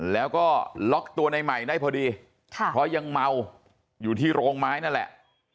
แล้วก็ล็อกตัวในใหม่ได้พอดีเพราะยังเมาอยู่ที่โรงไม้นั่นแหละ